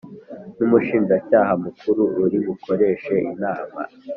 N’ umushinjacyaha mukuru uribukoreshe inama